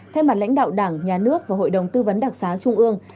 thay mặt lãnh đạo đảng nhà nước và hội đồng tư vấn đặc xá trung ương